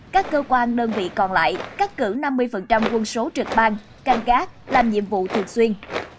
các cơ quan đơn vị còn lại các cử năm mươi quân số trực ban căn cát làm nhiệm vụ thường xuyên